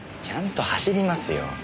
ちゃんと走りますよ。